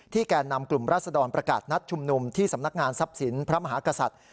แก่นำกลุ่มราศดรประกาศนัดชุมนุมที่สำนักงานทรัพย์สินพระมหากษัตริย์